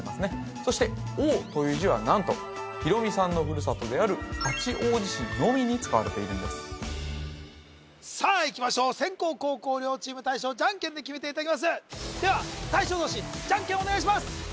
そして「王」という字は何とヒロミさんのふるさとである八王子市のみに使われているんですさあいきましょう先攻後攻両チーム大将ジャンケンで決めていただきますでは大将同士ジャンケンお願いします